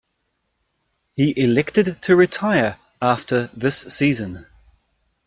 He elected to retire after this season.